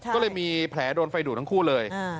ก็เลยมีแผลโดนไฟดูดทั้งคู่เลย